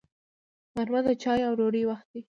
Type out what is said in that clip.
غرمه د چایو او ډوډۍ وخت وي